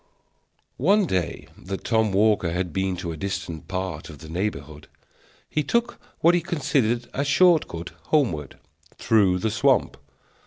One day that Tom Walker had been to a distant part of the neighborhood, he took what he considered a short cut homeward, through the swamp.